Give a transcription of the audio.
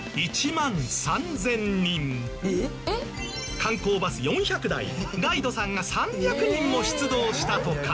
観光バス４００台ガイドさんが３００人も出動したとか。